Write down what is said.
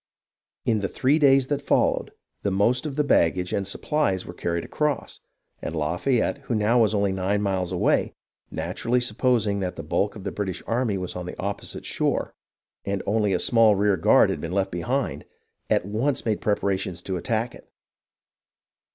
In the three days that followed, the most of the baggage and supplies were carried across, and Lafayette, who now was only nine miles away, naturally supposing that the bulk of the British army was on the opposite shore and only a small rear guard had been left behind, at once made preparations to attack it.